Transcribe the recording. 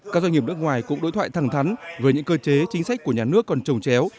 các doanh nghiệp nước ngoài cũng đối thoại thẳng thắn với những cơ chế chính sách của nhà nước còn trồng chéo